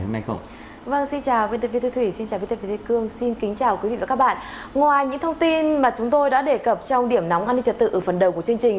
ngoài những thông tin mà chúng tôi đã đề cập trong điểm nóng an ninh trật tự ở phần đầu của chương trình